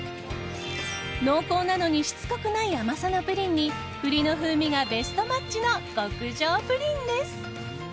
濃厚なのにしつこくない甘さのプリンに栗の風味がベストマッチの極上プリンです。